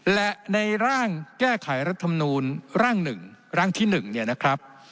และในร่างแก้ไขรัฐมนูลร่าง๑ร่างที่๑เนี่ยนะครับ